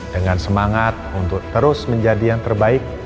dengan semangat untuk terus menjadi yang terbaik